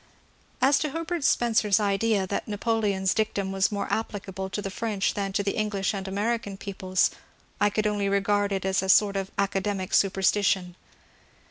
As to Herbert Spencer's idea that Napoleon's dictum was more applicable to the French than to the English and Amer 438 MONCURE DANIEL CONWAY ican peoples, I could only regard it as a sort of aeademio superstition.